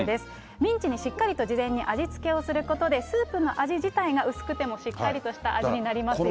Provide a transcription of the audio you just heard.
ミンチにしっかりと事前に味付けをすることで、スープの味自体が、薄くてもしっかりとした味になりますよ